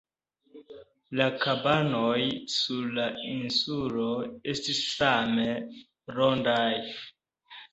La kabanoj sur la insulo estis same rondaj.